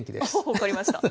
分かりました。